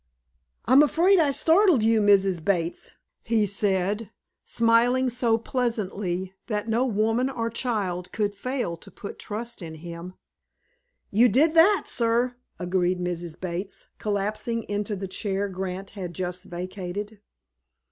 "I'm afraid I startled you, Mrs. Bates," he said, smiling so pleasantly that no woman or child could fail to put trust in him. "You did that, sir," agreed Mrs. Bates, collapsing into the chair Grant had just vacated.